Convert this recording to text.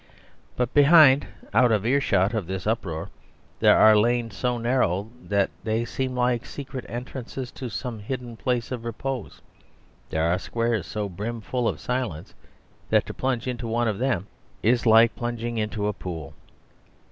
But behind out of earshot of this uproar there are lanes so narrow that they seem like secret entrances to some hidden place of repose. There are squares so brimful of silence that to plunge into one of them is like plunging into a pool.